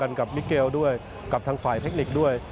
กับมิเกลด้วยกับทางฝ่ายเทคนิคด้วย